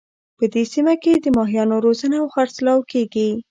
په دې سیمه کې د ماهیانو روزنه او خرڅلاو کیږي